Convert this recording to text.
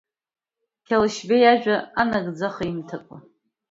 Қьалашьбеи иажәа анагӡаха имҭакәа.